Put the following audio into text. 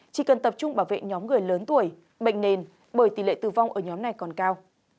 chỉ cần tập trung bảo vệ nhóm người lớn tuổi bệnh nền bởi tỷ lệ tử vong ở nhóm này còn cao